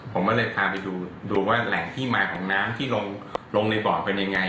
ผมก็เลยพาไปดูว่าแหล่งที่มาของน้ำที่ลงในบ่อเป็นยังไง